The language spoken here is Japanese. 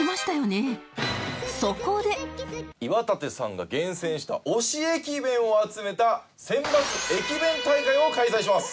岩立さんが厳選した推し駅弁を集めた選抜駅弁大会を開催します！